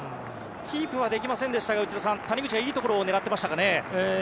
キープはできませんでしたが谷口がいいところを狙っていましたかね。